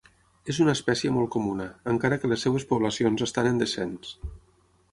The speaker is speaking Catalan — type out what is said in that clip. És una espècie molt comuna, encara que les seves poblacions estan en descens.